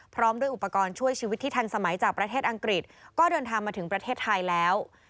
พร้อมด้วยอุปกรณ์ช่วยชีวิตที่ทันสมัยจากประเทศอังกฤษก็เดินทางมาถึงประเทศไทยแล้ว